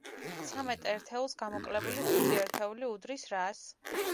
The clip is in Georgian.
ცამეტ ერთეულს გამოკლებული ხუთი ერთეული უდრის რას?